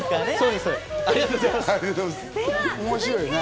面白いね。